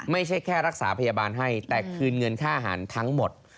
ไม่ใช่แค่รักษาพยาบาลให้แต่คืนเงินค่าอาหารทั้งหมด